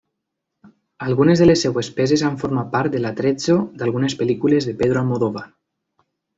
Algunes de les seves peces han format part de l'attrezzo d'algunes pel·lícules de Pedro Almodóvar.